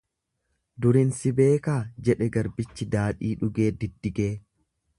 Durin si beekaa jedhe garbichi daadhii dhugee diddigee.